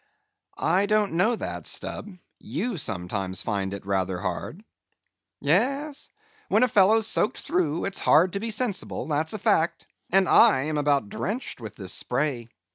"I don't know that, Stubb. You sometimes find it rather hard." "Yes, when a fellow's soaked through, it's hard to be sensible, that's a fact. And I am about drenched with this spray.